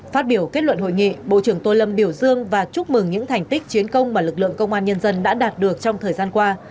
phát biểu kết luận hội nghị bộ trưởng tô lâm biểu dương và chúc mừng những thành tích chiến công mà lực lượng công an nhân dân đã đạt được trong thời gian qua